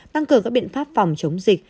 tăng cường các biện pháp phòng chống dịch